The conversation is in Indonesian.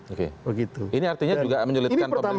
oke ini artinya juga menyulitkan pemilih